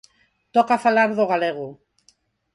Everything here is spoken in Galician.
Toca falar do galego.